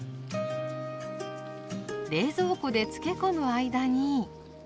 冷蔵庫で漬け込む間に。